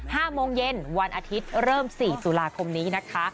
ห้าโมงเย็นวันอาทิตย์เริ่มสี่ตุลาคมนี้นะคะ